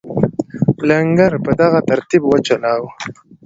لنګر په دغه ترتیب وچلاوه.